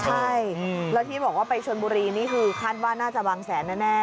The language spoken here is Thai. ใช่แล้วที่บอกว่าไปชนบุรีนี่คือคาดว่าน่าจะบางแสนแน่